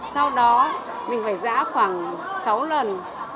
sau đó mình phải giã khoảng sáu lần